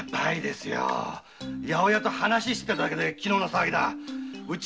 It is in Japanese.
八百屋と話しただけで昨日の騒ぎだ。